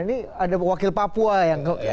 ini ada wakil papua yang